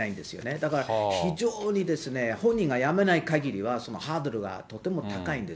だから非常に本人が辞めないかぎりは、そのハードルがとても高いんです。